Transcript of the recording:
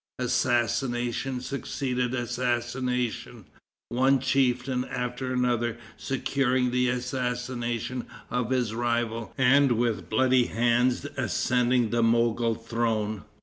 Assassination succeeded assassination, one chieftain after another securing the assassination of his rival and with bloody hands ascending the Mogol throne.